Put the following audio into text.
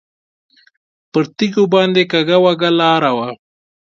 پر تیږو باندې کږه وږه لاره وه.